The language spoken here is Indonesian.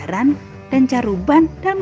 seorang pelajar dai laman lingkungan